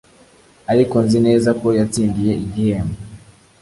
ariko nzi neza ko yatsindiye igihembo